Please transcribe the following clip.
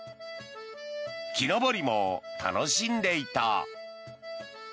木登りも楽しんでいた。